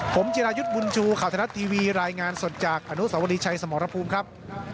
ผมจิรายุทธ์บุญชูข่าวไทยรัฐทีวีรายงานสดจากอนุสาวรีชัยสมรภูมิครับ